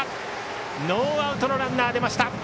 ノーアウトのランナーが出ました。